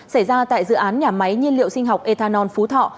xảy ra tại dự án nhà máy nhiên liệu sinh học ethanol phú thọ